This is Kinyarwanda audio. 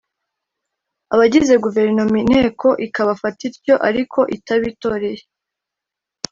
Abagize guverinoma inteko ikabifata ityo ariko itabitoreye